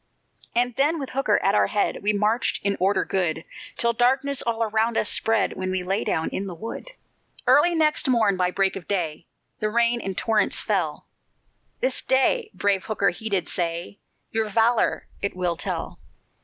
And then with Hooker at our head, We marched in order good, Till darkness all around us spread, When we lay down in the wood. Early next morn by break of day, The rain in torrents fell; "This day," brave Hooker he did say, "Your valor it will tell.